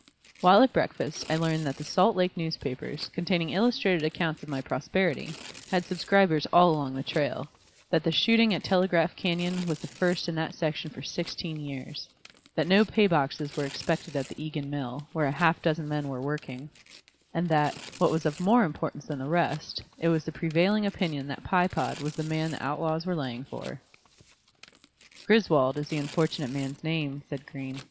While at breakfast I learned that the Salt Lake newspapers, containing illustrated accounts of my prosperity, had subscribers all along the trail; that the shooting at Telegraph Canyon was the first in that section for sixteen years; that no pay boxes were expected at the Egan mill, where a half dozen men were working; and that, what was of more importance than the rest, it was the prevailing opinion that Pye Pod was the man the outlaws were laying for. "Griswold is the unfortunate man's name," said Green.